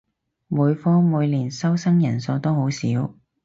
每科每年收生人數都好少